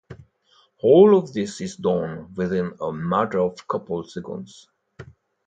All of this is done within a matter of a couple seconds.